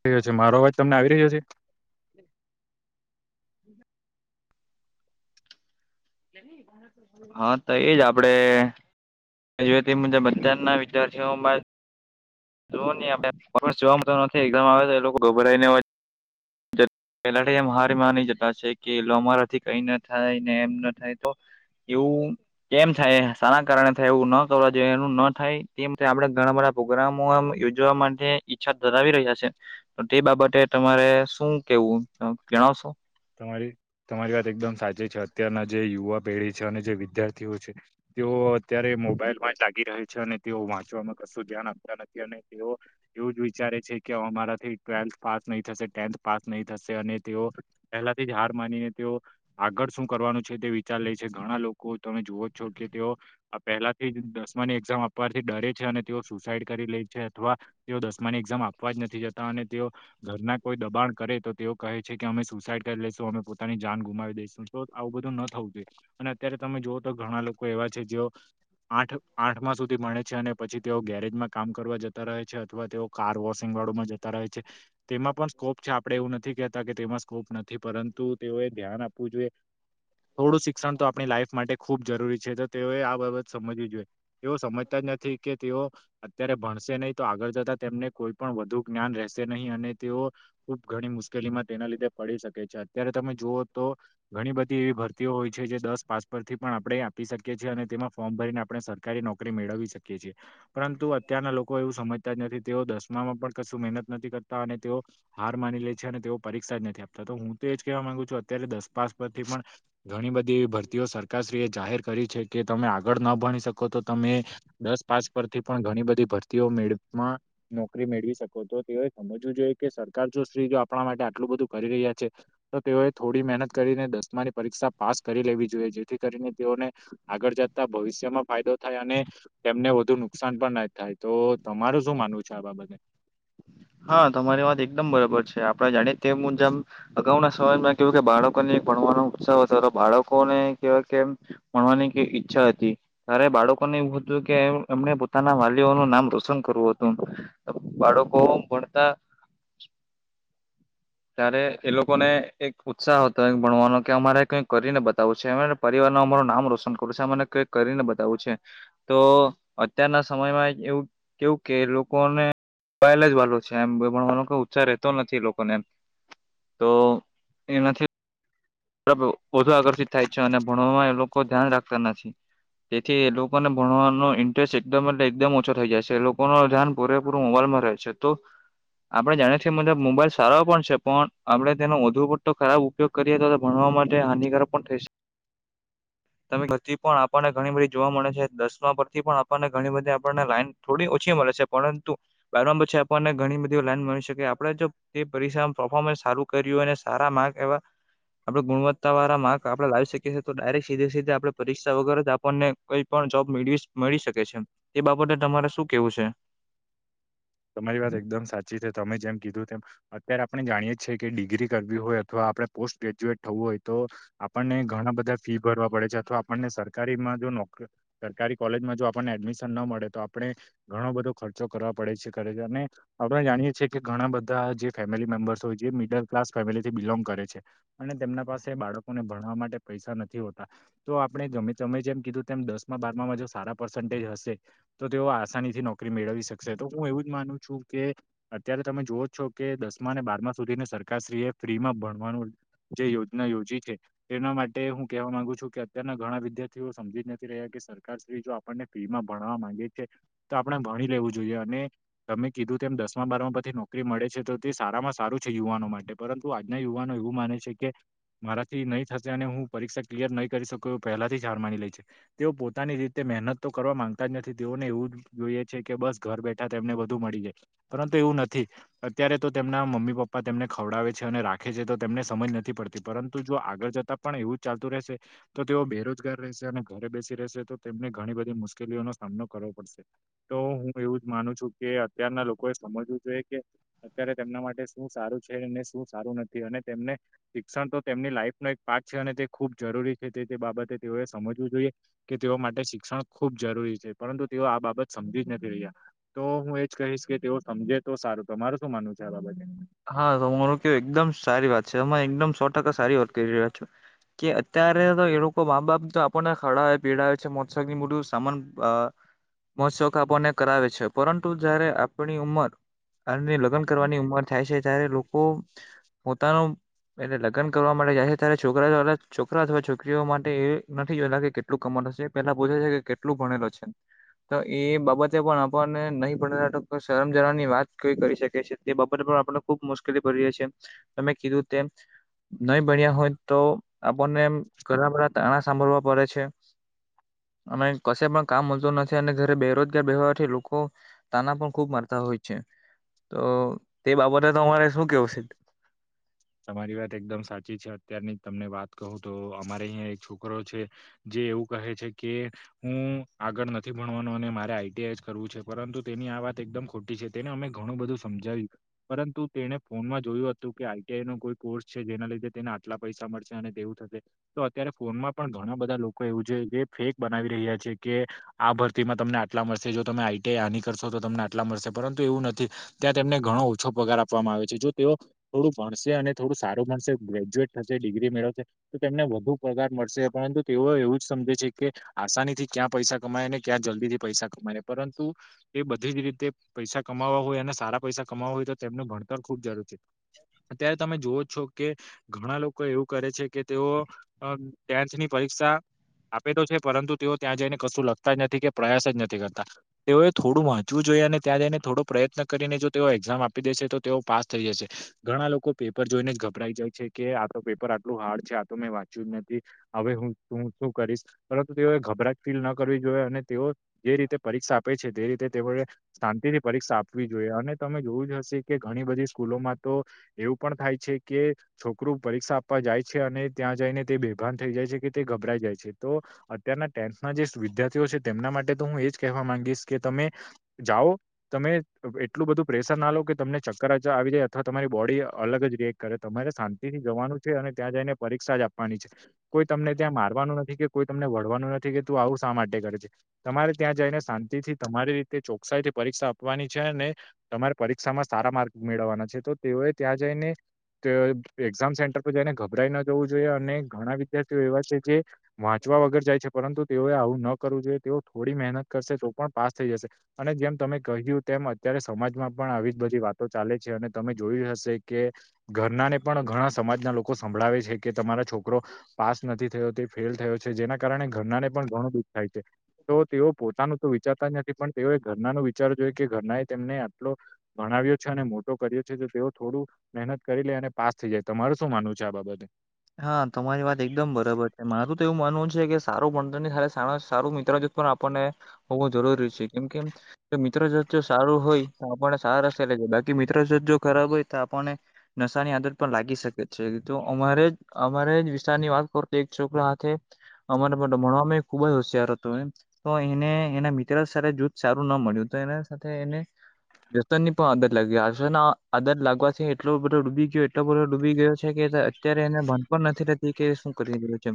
થયો છે મારો અવાજ તમને આવી રહ્યો છે. [inaudible] હા તો એજ આપડે તે વી જ રીત મુજબ અત્યારના વિદ્યાર્થીઓમાં [unintelligible] નથી એમ આવે એ લોકો ગભરાઈને [unintelligible] પેલાથી એમ હારી માની જતા છે કે અમારાથી કઈ ના થાય ને એમ ના થાય તો એવું કેમ થાય સાના કારણે થાય એવું ન થવા જોઈએ એ ન થાય તેમ આપણે ઘણા બધા પ્રોગ્રામો આમ યોજવા માટે ઈચ્છા ધરાવી રહ્યા છે તો તે બાબતે તમારે શું કેવું તમ જણાવશો. તમારી તમારી વાત એકદમ સાચી છે અત્યારના જે યુવા પેઢી છે અને જે વિદ્યાર્થીઓ છે. તેઓ અત્યારે મોબાઈલમાં જ લાગી રહે છે અને તેઓ વાંચવામાં કશું ધ્યાન આપતા નથી અને તેઓ એવું જ વિચારે છે કે અમારાથી ટ્વેલ્થ પાસ નહી થશે ટેન્થ પાસ નહી થશે અને તેઓ પહેલાથી જ હાર માનીને તેઓ આગળ શું કરવાનું છે તે વિચાર લે છે ઘણા લોકો તમે જુઓ છો કે તેઓ પહેલાથી દસમા ની એક્ઝામ આપવાથી ડરે છે અને તેઓ સુસાઈડ કરી લે છે અથવા તેઓ દસમાની એક્ઝામ આપવા જ નથી જતા અને તેઓ ઘરના કોઈ દબાણ કરે તો તેઓ કહે છે કે અમે સુસાઈડ કરી લેશું અમે પોતાની જાન ગુમાવી દઈશું તો આવું બધું ન થવું જોઈએ અને અત્યારે તમે જૂઓ તો ઘણા લોકો કોઈ એવા છે જે આઠ આઠમા સુધી ભણે છે અને પછી તેઓ ગેરેજમાં કામ કરવા જતા રહે છે. અથવા તેઓ કાર વોશિંગ વાળોમાં જતા રહે છે તેમાં પણ સ્કોપ છે આપડણે એવું નથી કેતા કે તેમાં સ્કોપ નથી પરંતુ તેઓએ ધ્યાન આપવું જોઈએ. થોડું શિક્ષણ તો આપણી લાઈફ માટે ખૂબ જરૂરી છે તો તેઓએ આ બાબત સમજવી જોઈએ તેઓ સમજતા જ નથી કે તેઓ અત્યારે ભણશે નહી તો આગળ જતા તેમને કોઈ પણ વધુ જ્ઞાન રહેશે નહી અને તેઓ ખુબ ઘણી મુશ્કેલ ગલી મા તેના લીધે પડી શકે છે અત્યારે તમે જુઓ તો ઘણી બધી એવી ભરતીઓ હોય છે જે દસ પાસ પર થી પણ આપણેે આપી શકીએ છી અને તેમાં ફોર્મ ભરીને આપણે સરકારી નોકરી મેળવી શકીએ છીએ. પરંતુ અત્યારના લોકો એવું સમજતા જ નથી તેઓ દસ દસમા માં પણ કશું મહેનત નથી કરતા અને તેઓ હાર માની લે છે અને તેઓ પરીક્ષા જ નથી આપતા. તો હું તો એજ કેવા માંગુ છું અત્યારે દસ પાસ પરથી પણ ઘણી બધી એવી ભરતીઓ સરકારશ્રીએ જાહેર કરી છે. કે તમે આગળ ના ભણી શકો તો તમે દસ પાસ પરથી પણ ઘણી બધી ભરતીઓ મેળમાં નોકરી મેળવી શકો તો તેય સમજવું જોઈએ કે સરકાર જો શ્રી જો આપણા માટે આટલું બધું કરી રહ્યા છે તો તેઓએ થોડી મહેનત કરીને દસમાની પરીક્ષા પાસ કરી લેવી જોઈએ જેથી કરીને તેઓ. આગળ જતાં ભવિષ્યમાં ફાયદો થાય અને તેમને વધુ નુકસાન પણ ના થાય તો મારું શું માનવું છે આ બાબતે હા તમારી વાત એકદમ બરાબર છે આપડા જાણીએ તે મુુંજમ અગાઉના સમયમાં કેવું કે બાળકોને. ભણવાનો ઉત્સવ હતો તો બાળકોને કેવાય કે ભણવાની ઈચ્છા હતી ત્યારે બાળકો. લોકોને એવું હતું કે એમને પોતાના વાલીઓનું નામ રોશન કરવું હતું બાળકો પડતા. ત્યારે એ લોકોને એક ઉત્સાહ હતો ભણવાનો કે અમારે કઈ કરીને બતાવું છે અમારે પરિવાર. અમારું નામ રોશન કરું છે અને કઈ કરીને બતાવું છે તો અત્યારના સમયમાં એવું. કેવું કે લોકોને [unintelligible] જ વાલો છે એમ ભણવાનો ઉત્સાહ રતો નથી લોકોને એમ. તો એનાથી. [inaudible] વધુ આકર્ષિત થાય છે અને ભણવામાં એ લોકો ધ્યાન રાખતા નથી. તેથી એ લોકોને ભણવાનો ઇન્ટરેસ્ટ એકદમ એટલે એકદમ ઓછો થઇ જાય છે લોકો નું ધ્યાન પૂરેપૂર મોબાઈલ. રહે છે તો. આપડે જાણીએ છીએ મુજબ મોબાઈલ સારા પણ છે પણ આપડે તેનો વધુ પડતો ખરાબ ઉપયોગ કરીએ તો. ભણવા માટે હાનિકારક પણ થઈ સ [unintelligible] તમે [inaudible] પણ આપણને ઘણી બધી જોવા મળે છે દસ માં પરથી પણ આપણને ઘણી બધી આપણને લાઈન થોડી ઓછી છે પરંતુ બારમા પછી આપણને ઘણી બધી લાઈન મળી શકે આપણેે જો પરીક્ષા પરફોર્મન્સ સારું કર્યું અને સારા માર્ક આવ્યા. આપણે ગુણવત્તા વાળા માર્ક આપણે લાવી શકીએ છી તો ડાયરેક્ટ સીધે સીધે આપણે પરીક્ષા વગર જ આપણને કોઈ પણ જોબ. [unintelligible] મળી શકે છે એ બાબતે તમારે શું કેવું છે. [unintelligible] તમારી વાત એકદમ સાચી છે તમે જેમ કીધું તેમ અત્યારે આપણે જાણીયે જ છે કે ડિગ્રી કરવી હોય અથવા. આપણે પોસ્ટ ગ્રેજ્યુએટ થવું હોય તો આપને ઘણા બધા ફી ભરવા પડે છે અથવા આપણને સરકારીમાં. [inaudible] સરકારી કોલેજમાં જો આપણને એડમિશન ના મળે તો આપણે ઘણો બધો ખર્ચો કરવા પડે છે. અને આપણે જાણીએ છએ કે ઘણા બધા જે ફેમિલી મેમ્બર્સ હોય જે મિડલ ક્લાસ ફેમિલીથી બિલોંગ કરે છે. [unintelligible] અને તેમના પાસે બાળકોને ભણાવવા માટે પૈસા નથી હોતા તો આપણે ગમે તમેં જેમ કધ. તેમ દસમાં બારમાં સારા પર્સન્ટેજ હશે તો તેઓ આસાની થી નોકરી મેળવી શકશે તો હું એવું. માનું છું કે અત્યારે તમે જોવો જ છો કે દસમા અને બારમા સુધીને સરકારશ્રી એ ફ્રીમાં ભણ [inaudible] જે યોજના યોજી છે તેના માટે હું કેહેવા માંગુ છું કે અત્યારના ઘણા વિદ્યાર્થીઓ સમજી. નથી રહ્યા કે સરકાર શ્રી જો આપણને ફી માં ભણવા માંગે છે તો આપણે ભણી લેવું જોઈએ અને તમે કીધું તેમમ દસમા બાર પછી નોકરી મળે છે તો તે સારામાં સારું છે યુવાનો માટે પરંતુ આજના યુવાનો એવું માને છે કે મારાથી નહી થશે અને હું પરીક્ષા ક્લિયર નહીં કરી શકું એ પહેલાથી જ હાર માની લે છે. તેઓ પોતાની રીતે મહેનત તો કરવા માંગતા જ નથી તેઓને એવું જ જોઈએ છે કે બસ ઘર બેઠા તેમને બું બધું મળ જાય પરંતુ એવું નથી અત્યારે તો તેમના મમ્મી પપ્પા તેમને ખવડાવે છે અને રાખે છે તો. અમને સમજ નથી પડતી પરંતુ જો આગળ જતા પણ એવું જ ચાલતું રહેશે તો તેઓ બેરોજગાર રહેશે અને. ઘરે બેસી રહેશે તો તેમને ઘણી બધી મુશ્કેલીઓનો સામનો કરવો પડશે તો હું એવું જ માનું છું. કે અત્યારના લોકોએ સમજવું જોઈએ કે અત્યારે તેમના માટે શું સારું છે ને શું સારું નથી અને. તેમને શિક્ષણ તો તેમની લાઈફ ન એક પાઠ છે અને તે ખુબ જરૂરી છે તે તે બાબતે તેઓએ સમજવું જોઈએ. કે તેઓ માટે શિક્ષણ ખૂબ જરૂરી છે પરંતુ તેઓ આ બાબત સમજી જ નથી રહ્યા. તો હું એજ કહીશ કે તેવું સમજે તો સારું તમારું શું માનવું છે આ બાબતે. હા તો માર કેવું એકદમ સારી વાત છે અમે એકદમ સો ટકા સારી વાત કરી રહ્યા છો. કે અત્યારે તો એ લોકો મા બાપ તો આપણને ખડા પીવડા છે મોત્સોખ્ મોટું સામાન અ મો શોખ આપને કરાવે છે પરંતુ જયારે આપણી ઉંમર આ લગ્ન કરવાની ઉંમર. જ્યારે લોકો પોતાનો. એને લગ્ન કરવા માટે જાય છે ત્યારે છોકરા [inaudible] છોકરા અથવા છોકરીઓ માટે એ નથી જોતા કેટલું કમાવુ. નસીબ પેલા પૂછે છે કે કેટલું ભણેલો છે. તો એ બાબતે પણ આપણને નહી પડે તો તો શરમ જર ની વાત કોઈ કરી શકે છે તે બાબતે. મને ભા આપણે ખુબ મુશ્કેલી પડી રહી છે તમે કીધું તેમ. નહી ભણ્યા હોય તો આપણને ઘણા બઘા તાણા સાંભળવા પડે છે. અમે કશે પણ કામ મળું નથી અને ઘરે બેરોજગાર બેવાથી લોકો તાના પણ ખૂબ મારતા હોય છે. તોઓ તે બાબતે તો તમારે શું કેવું છે. તમારી વાત એકદમ સાચી છે અત્યારની તમને વાત કહું તો અમારે અહીયા એક છોકરો છે જે. એવું કહે છે કે હું આગળ નથી ભણવાનું અને મારે આઈટીઆઈ જ કરવું છે પરંતુ તેની આ. વાત એકમ ખોટી છે તેને અમે ઘણું બધું સમજાવ્યું પરંતુ તેને ફોનમાં જોયું હતું કે આ. તેનો કોઈ કોર્સ છે જેના લીધે તેને આટલા પૈસા મળશે અને તેવું થશે તો અત્યારે ફોનમાં પણ ઘણા બધા લોકો. કોઈ એવું જે ફેક બનાવી રહ્યા છે કે આ ભરતીમાં તમને આટલા મળર્શે જો તમે આઈટીઆઈ આની કરશો. તો તો તમને આટલા મળશે પરંતુ એવું નથી ત્યાં તેમને ઘણો ઓછો પગાર આપવામાં આવે છે જો તેઓ થોડુંક. ભણશે અને થોડું સારું ભણશે ગ્રેજ્યુએટ થશે ડિગ્રી મેળવશે તો તેમને વધુ પગાર મળશે પરંતુ તે ઓ. તોએવું જ સમજે છે કે આસાની થી ક્યાં પૈસા કમાય ને ક્યાં જલ્દી થી પૈસા કમાય પરંતુ. એ બધી જ રીતે પૈસા કમાવવા હોય અને સારા પૈસા કમાવવા હોય તો તેમનું ભણતર ખુબ જરૂર છે. અત્યારે તમે જુવો છો કે ઘણા લોકો એવું કરે છે કે તેઓ અ ટેન્થની પરીક્ષા. આપે તો છે પરંતુ તેઓ ત્યાં જઈને કશું લગતા જ નથી કે પ્રયાસ જ નથી કરતા તેઓએ થોડું વાંચવું જોઈએ. હું ભી અને ત્યાં જઈને થોડો પ્રયત્ન કરીને જો તેઓ એક્ઝામ આપી દેશે તો તેઓ પાસ થઈ જશ. ઘણા લોકો પેપર જોઈને જ ગભરાઈ જાય છે કે આ તો પેપર આટલું હાર્ડ છે આ તો મેં વાંચ્યું જ નથી હવે હું. હું તું શું કરીશ પરંતુ તેઓએ ગભરાજ ફીલ ન કરવી જોઈએ અને તેઓ. જે રીતે પરીક્ષા આપે છે તે રીતે તેઓને. શાંતિથી પરીક્ષા આપવી જોઈએ અને તમે જોવું જ હશે કે ઘણી બધી સ્કૂલોમાં. તો એવું પણ થાય છે કે છોકરું પરીક્ષા આપવા જાય છે અને ત્યાં જઈને તે બેભાન થઈ જાય. કે તે ગભરાઈ જાય છે તો અત્યારના ટેન્થ ના જે વિદ્યાર્થીઓ છે તેમના માટે તો હું એ જ કહેવા માંગીશ. કે તમે જાઓ તમે એટલું બધું પ્રેશર ના લો કે તમને ચક્કર જ આવી જાય. આ તમારી બોડી અલગ જ રિએક્ટ કરે તમારે શાંતિ થી જવાનું છે અને ત્યાં જઈને પરીક્ષા જ આપવાની છે. કોઈ તમને ત્યાં મારવાનું નથી કે કોઈ તમને વળવાનું નથી કે તું આવું શા માટે કરે છે. તમારે ત્યાં જઈને શાંતિથી. તમારી રીતે ચોક્સાઈ થી પરીક્ષા આપવાની છે અનેને તમારે પરીક્ષામાં સારા માર્ક મેળવવાના છે. તો તેઓએ ત્યાં જઈને. તો એ એક્ઝામ સેન્ટર પર જઈને ગભરાઈ ન જવું જોઈએ અને ઘણા વિદ્યાર્થીઓ એવા છે જે. વાંચવા વગર જાય છે પરંતુ. તેઓએ આવું ન કરવું જોઈએ તેઓ થોડી મહેનત કરશે તો પણ પાસ થઈ જશે અને જેમ તમે કહ્યું તેમ અત્યારે. ત્યારે સમાજમાં પણ આવી જ બધી વાતો ચાલે છે અને. તમે જોયું હશે કે ઘરના ને પણ ઘણા સમાજના લોકો સંભળાવે છે કે તમારા છોકરો. પાસ નથી થયો તે ફેલ થયો છે જેના કારણે ઘરના ને પણ ઘણું દુઃખ થાય છે તો તેઓ પોતાનું તો. વિચારતા નથી પણ તેઓએ ઘરના નનો વિચાર જોય કે ઘરના એ તેમને આટલો ભણાવ્યો છે અને મોટો કર્યો. જુતો તેઓ થોડું મહેનત કરી લે અને પાસ થઈ જાય તમારે શું માનવું છે આ બાબતે. હા તમારી વાત એકદમ બરાબર છે મારું તો એવું માનવું છે કે સારું ભણતર ને સારું મિત્ર જો. પણ આપણને હોવું જરૂરી છે કેમ કે મિત્ર જો તે સારું હોય આપણને સારાશે. તે થીબાકી મિત્ર જો ખરાબ હોય તો આપણને નશાની આદત પણ લાગી શકે છે તો અમારે. અમારે જ વિસ્તારની વાત કરું તો એક છોકરા હાથે. અમારો ભાડો ભણવામાં ખુબ જ હોશિયાર હતું હે એ તો એને એના મિત્ર જ સરે જૂથ સારું ન મળ્યું હતું. તેના સાથે એને. રસન ની પણ આદર લાગી આસન આદર લાગવાથી એટલો બધો ડૂબી ગયો એટલો બધો ડૂબી ગયો છે કે. કેતા અત્યારે એને. હું પણ નથી રહેતી કે શું કરી એવું જેમ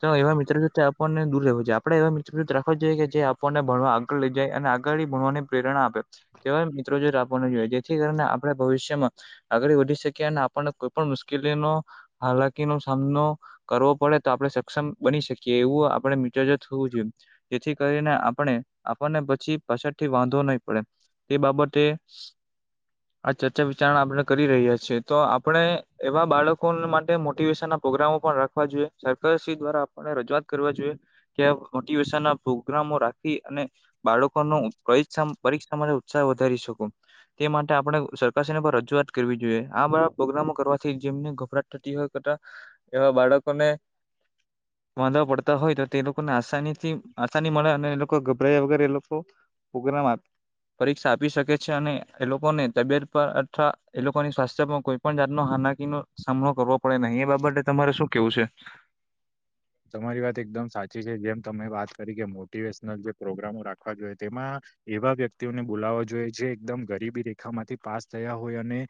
તો એવા મિત્ર આપણને દૂર રહે છે આપડે એવા મિત્ર રાખવા. કે જે જે આપણને ભણવા આગળ લઈ જાય અને આગળ ભણવાની પ્રેરણા આપે તેવા મિત્રો જો આપને જોઈએ. જેથી કરીને આપણે ભવિષ્યમાં આગળ વધી શકીયા અને આપણને કોઈ પણ મુશ્કેલીનો હાલજ. કે નો સામનો કરવો પડે તો આપણે સક્ષમ બની શકીએ એવું આપણે મિત્ર જોઠે થવું જોઈએ જેથી કરીને આપણે આપણને પછી પાછ થી વાંધો નહી પડે. તે બાબતે. આ ચર્ચા વિચારણા આપણે કરી રહ્યા છીએ તો આપણે એવા બાળકો માટે મોટ મોટીવેશન ના પ્રોગ્રામો પણ રાખવા જોઈએ સરકાર દ્વારા આપને રજૂઆત કરવા જોઈએ કે મોટિવેશન ના. પ્રગ્રામો રાખી અને બાળકો નો પરીક્ષા માટે ઉત્સાહ વધારી શકો તે માટે આપણે સરકાર સ પર રજૂઆત કરવી જોઈએ આ બધા પ્રોગ્રામો કરવાથી જેમને ગભરાટ થતી હોય. એવા બાળકો ને [unintelligible] વાંધા પડતા હોય તો તે લોકોને આસાનીથી આસાની મળે અને એ લોકો ગભરાયા વગર એ લોકો. પ્રોગ્રામ. પરીક્ષા આપી શકે છે અને એ લોકોને તબિયત પર અથવા એ લોકોની સ્વાસ્થ્યમાં કોઈ પણ જાતનો. હાલાકીનો સામનો કરવો પડે નહી એ બાબતે તમારે શું કેવું છે. તમારી વાત એકદમ સાચી છે જેમ તમે વાત કરી કે મોટિવેશનલ જે પ્રોગ્રામો રાખવા જોઈએ તેમાં. એવા વ્યક્તિઓને બોલાવવાો જોઈએ જે એકદમ ગરીબી રેખા માંથી પાસ થયા હોય અને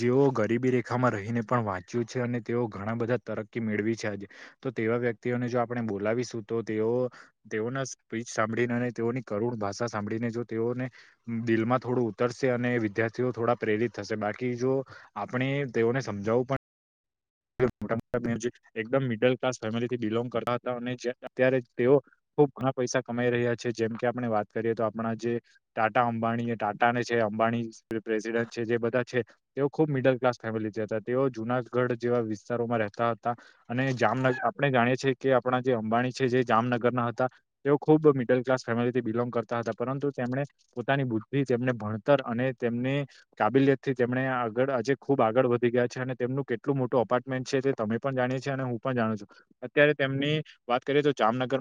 જેઓ. ગરીબી રેખામાં રહીને પણ વાંચ્યું છે અને તેઓ ઘણા બધા તરકી મેળવી છે આજે તો તેવા વ્યક્તિ. તેઓને જો આપણે બોલાવીશું તો તેઓ તેઓના સ્પીચ સાંભળીને અને તેઓની કરુણ ભાષા સાંભળી. તેઓને દિલમાં થોડું ઉતરશે અને વિદ્યાર્થીઓ થોડા પ્રેરિત થશે બાકી જો. આપણે તેઓને સમજાવવું પણ. મોટા મોટા એકમ મિડલ ક્લાસ ફેમિલીથી બિલોંગ કરતા હતા અને અત્યારે તેઓ. ખુબ ઘણા પૈસા કમાઈ રહ્યા છે જેમ કે આપણે વાત કરીએ તો આપણા જે ટાટા અંબાણી એ ટાટા ને છે. અંબાણી પ્રેસિડ છે જે બધા છે તેઓ ખુબ મિડલ ક્લાસ ફેમિલી હતા તેઓ જુનાગઢ. જેવા વિસ્તારોમાં રહેતા હતા અને જામનગર આપણે જાણીએ છીએ કે આપણા જે અંબાણી છે જે જામનગરના. તેઓ મિડલ ક્લાસ ફેમિથી બિલોંગ કરતા હતા પરંતુ તેમણે પોતાની બુદ્ધિ તેમને ભણ અને તેમની કાબિલિયત થી તેમને આગળ આજે ખુબ આગળ વધી ગયા છે અને તેમનું. એટલું મોટું અપાર્ટમેન્ટ છે તે તમે પણ જાણીએ છી અને હું પણ જાણું છું અત્યારે તેમની વાત કરીએ તો જામનગર.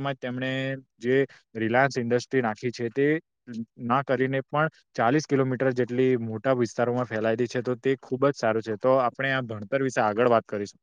રિલાયન્સ ઇન્ડ્રી નાખી છે તે ના કરીને પણ. ચાલીસ કિલોમીટર જેટલી મોટા વિસ્તારોમાં ફેલાયતી છે તો તે ખૂબ જ સારું છે તો આપણે આ ભણત. વિશે આગળ વાત કરીશું.